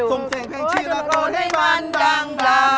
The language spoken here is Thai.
ส่งเสียงเพลงเชียร์สักคนให้มันดัง